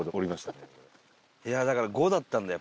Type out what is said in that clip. だから「５」だったんだよ